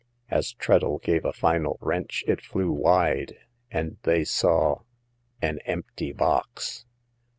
As Treadle gave a final wrench it flew wide, and they saw — an empty box.